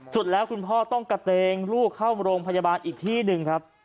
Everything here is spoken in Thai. สุดแล้วคุณพ่อต้องกระเตงลูกเข้าโรงพยาบาลอีกที่หนึ่งครับ